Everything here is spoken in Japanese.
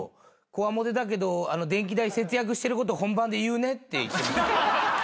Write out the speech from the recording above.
「こわもてだけど電気代節約してること本番で言うね」って。